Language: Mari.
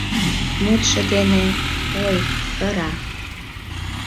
Мутшо дене, ой, кыра